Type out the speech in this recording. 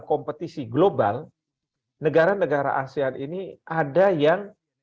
kompetisi global negara negara asean ini ada yang